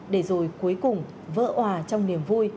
để rồi cuối cùng vỡ hòa trong niềm vui